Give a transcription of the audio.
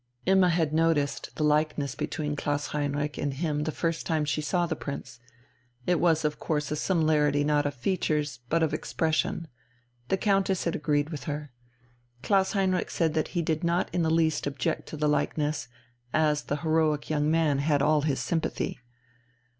Imma had noticed the likeness between Klaus Heinrich and him the first time she saw the Prince. It was of course a similarity not of features, but of expression. The Countess had agreed with her. Klaus Heinrich said that he did not in the least object to the likeness, as the heroic young man had all his sympathy.